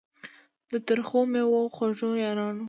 د ترخو میو خوږو یارانو